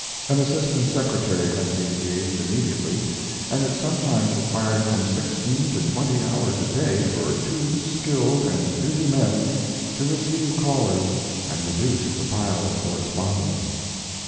An assistant secretary had to be engaged immediately, and it sometimes required from sixteen to twenty hours a day for two skilled and busy men to receive callers and reduce the pile of correspondence.